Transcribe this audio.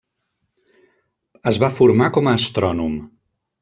Es va formar com a astrònom.